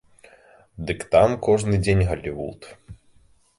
Дык там кожны дзень галівуд!